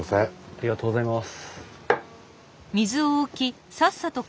ありがとうございます。